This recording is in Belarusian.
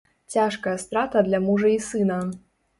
Цяжкая страта для мужа і сына.